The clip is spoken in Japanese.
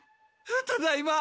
ただいま。